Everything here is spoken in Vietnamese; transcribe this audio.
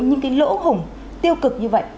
những cái lỗ hủng tiêu cực như vậy